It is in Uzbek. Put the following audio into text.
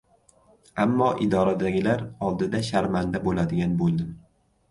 Ammo idoradagilar oldida sharmanda bo‘ladigan bo‘ldim".